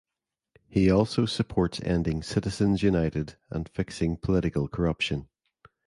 He also supports ending Citizens United and fixing political corruption.